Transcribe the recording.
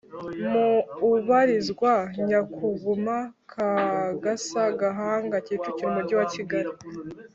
mu ubarizwa NyakugumaKagasa Gahanga KicukiroUmujyi wa Kigali